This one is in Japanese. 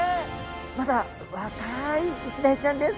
まだ若いイシダイちゃんです。